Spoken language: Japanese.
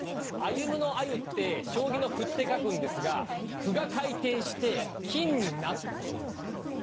「歩夢」の「あゆ」って将棋の「歩」って書くんですが「歩」が回転して「金」になった。